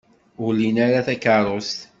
Ur lin ara takeṛṛust.